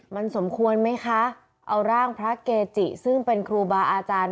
มันสมควรไหมคะเอาร่างพระเกจิซึ่งเป็นครูบาอาจารย์